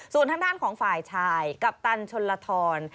ส่วนทางด้านของฝ่ายชายกัปตันชนลทร